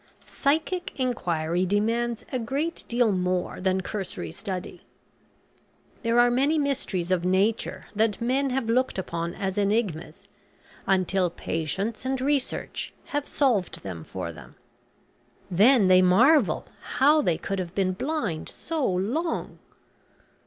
Psychic inquiry demands a great deal more than cursory study. There are many mysteries of nature that men have looked upon as enigmas, until patience and research have solved them for them. Then they marvel how they could have been blind so long!